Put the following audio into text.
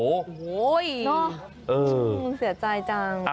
โอ้ยเออเสียใจจัง